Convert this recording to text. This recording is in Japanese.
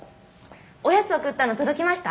おやつ送ったの届きました？